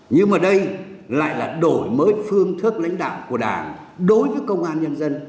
nhưng mà đây lại là đổi mới phương thức lãnh đạo của đảng đối với công an nhân dân